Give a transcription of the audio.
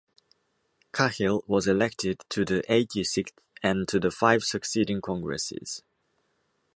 Cahill was elected to the Eighty-sixth and to the five succeeding Congresses.